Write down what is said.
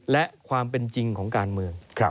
และความเป็นจริงของการเมือง